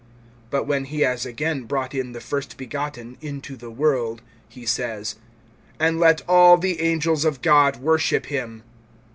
(6)But when he has again brought in[1:6] the first begotten into the world, he says And let all the angels of God worship him.